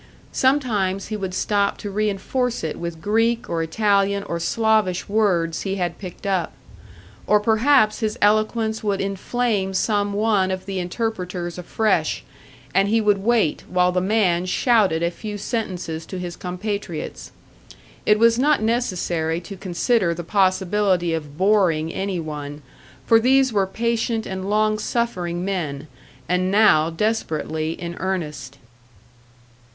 Sometimes he would stop to reinforce it with Greek or Italian or Slavish words he had picked up. Or perhaps his eloquence would inflame some one of the interpreters afresh, and he would wait while the man shouted a few sentences to his compatriots. It was not necessary to consider the possibility of boring any one, for these were patient and long suffering men, and now desperately in earnest.